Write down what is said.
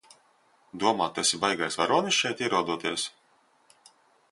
Domā tu esi baigais varonis šeit ierodoties?